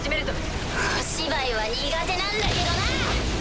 お芝居は苦手なんだけどな！